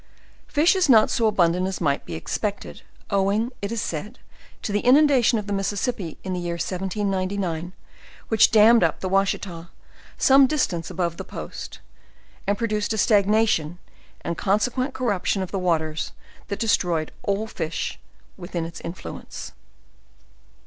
Fish is not so abundant as might be expected, owing, it is said, to the inundation of the Mississippi, in the year 1799, which dammed up the Washita, some distance above the post; and produced a stagnation and consequent corrup tion of the waters that destroyed all the fish within its influence.